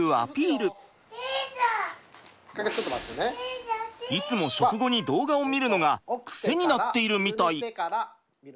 実はいつも食後に動画を見るのがクセになっているみたい。